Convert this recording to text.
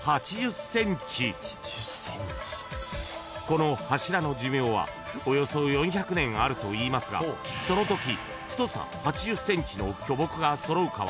［この柱の寿命はおよそ４００年あるといいますがそのとき太さ８０ｃｍの巨木が揃うかは分からないのが現実］